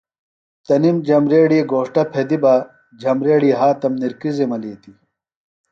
تنِم جھمبریڑی گھوݜٹہ پھیدیۡ بہ جھمبریڑیۡ ہاتم نِکرِزیۡ ملِیتیۡ۔